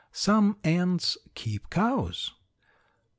Some ants keep cows.